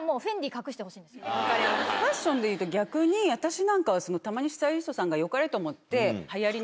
ファッションでいうと逆に私なんかはたまにスタイリストさんがよかれと思って。